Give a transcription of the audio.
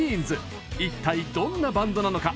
いったい、どんなバンドなのか